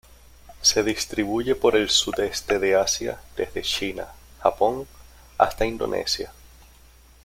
Se distribuye por el sudeste de Asia, desde China, Japón hasta Indonesia.